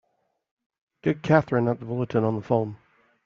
Get Katherine at the Bulletin on the phone!